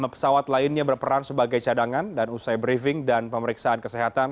lima pesawat lainnya berperan sebagai cadangan dan usai briefing dan pemeriksaan kesehatan